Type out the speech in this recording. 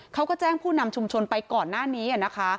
เขาก็แจ้งผู้นำชุมชนไปก่อนหน้านี้นะคะ